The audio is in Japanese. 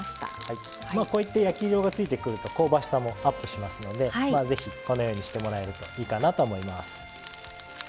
こういった焼き色がついてくると香ばしさもアップしますのでぜひこのようにしてもらえるといいかなと思います。